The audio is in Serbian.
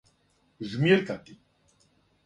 жмиркати